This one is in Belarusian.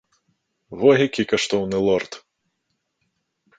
Во які каштоўны лорд!